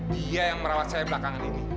dia yang merawat saya belakangan ini